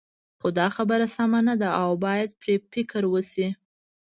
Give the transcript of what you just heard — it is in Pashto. خو دا خبره سمه نه ده او باید پرې فکر وشي.